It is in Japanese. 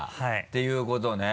ていうことね。